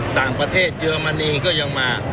ต่างประเทศเยอรมนีก็ยังมา